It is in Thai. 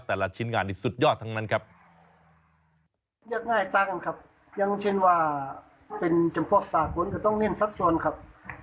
แต่ละชิ้นงานที่สุดยอดทั้งนั้นครับ